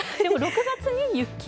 ６月に雪？